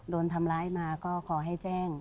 โดนทำร้ายมาก็ขอให้แจ้ง